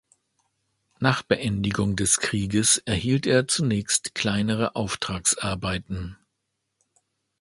Nach Beendigung des Krieges erhielt er zunächst kleinere Auftragsarbeiten.